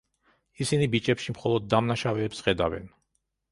ისინი ბიჭებში მხოლოდ დამნაშავეებს ხედავენ.